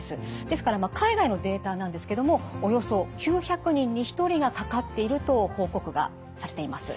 ですから海外のデータなんですけどもおよそ９００人に１人がかかっていると報告がされています。